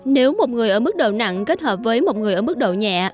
nếu một người ở mức đầu nặng kết hợp với một người ở mức độ nhẹ